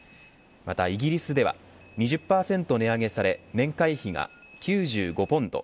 またイギリスでは２０％値上げされ年会費が９５ポンド